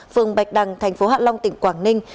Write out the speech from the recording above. phường bạch đằng thành phố hạ long tỉnh quảng ninh